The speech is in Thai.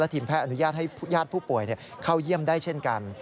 ทีมแพทย์อนุญาตให้ญาติผู้ป่วยเข้าเยี่ยมได้เช่นกัน